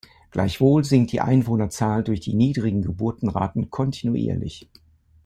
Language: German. Gleichwohl sinkt die Einwohnerzahl durch die niedrigen Geburtenraten kontinuierlich.